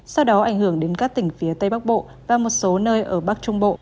sau đó ảnh hưởng đến các tỉnh phía tây bắc bộ và một số nơi ở bắc trung bộ